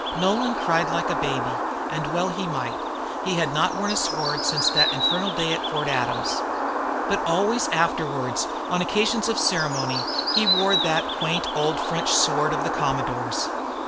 Nolan cried like a baby, and well he might. He had not worn a sword since that infernal day at Fort Adams. But always afterwards on occasions of ceremony, he wore that quaint old French sword of the commodore's.